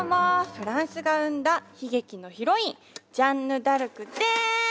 フランスが生んだ悲劇のヒロインジャンヌ・ダルクです！